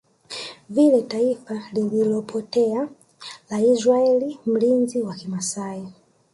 vile taifa lililopotea la Israel Mlinzi wa kimasai